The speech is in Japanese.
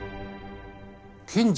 検事？